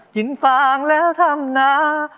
กินฟางแล้วทำหนา